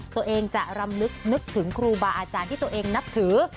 ตัวเองจะรำลึกนึกถึงครูบาอาจารย์ที่ตัวเองนับถือ